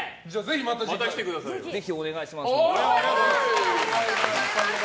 ぜひお願いします。